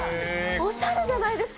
おしゃれじゃないですか？